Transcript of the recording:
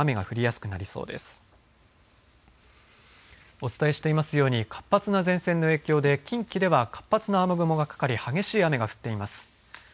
お伝えしていますように、活発な前線の影響で近畿では活発な雨雲がかかり激しい雨が降っています。